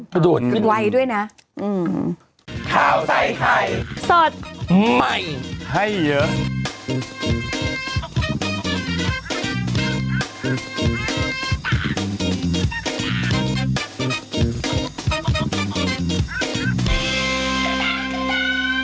กระโดดขึ้นไวด้วยนะข้าวใส่ไข่สดใหม่ให้เยอะ